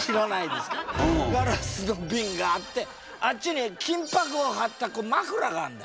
ガラスのビンがあってあっちに金ぱくをはったまくらがあんだ。